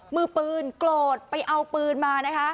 มือปืนโกรธไปเอาปืนมานะคะ